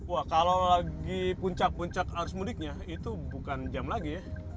wah kalau lagi puncak puncak arus mudiknya itu bukan jam lagi ya